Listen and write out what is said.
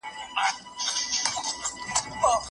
د اوږدې کاري اونۍ پایله د تنفس او ارام وخت کمښت دی.